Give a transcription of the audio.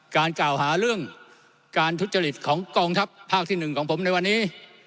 การกล่าวหาเรื่องการทุจริตของกองทัพภาคที่๑ของผมในวันนี้